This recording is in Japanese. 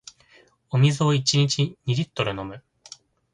お水を一日二リットル飲む